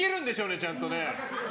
ちゃんと。